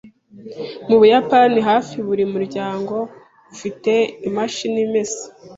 Mu Buyapani, hafi buri muryango ufite imashini imesa.